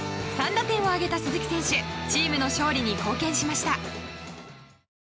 ３打点を挙げた鈴木選手チームの勝利に貢献しました。